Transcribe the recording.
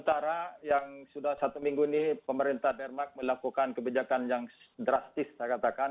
karena yang sudah satu minggu ini pemerintah denmark melakukan kebijakan yang drastis saya katakan